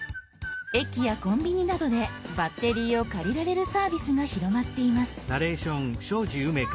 駅やコンビニなどでバッテリーを借りられるサービスが広まっています。